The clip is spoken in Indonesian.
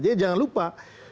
jadi jangan lupa